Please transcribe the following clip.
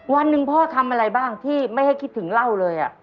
วันหนึ่งพ่อทำอะไรบ้างที่ไม่ให้คิดถึงเหล้าเลย